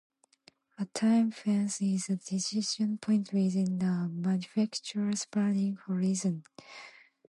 A time fence is a decision point within a manufacturer's planning horizon.